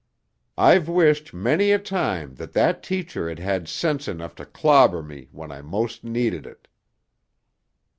I've wished many a time that that teacher had had sense enough to clobber me when I most needed it."